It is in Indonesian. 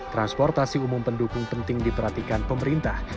transportasi umum pendukung penting diperhatikan pemerintah